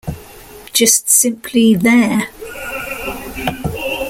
Just simply 'there.'.